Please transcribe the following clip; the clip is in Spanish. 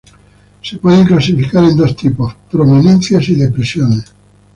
Se pueden clasificar en dos tipos: prominencias y depresiones.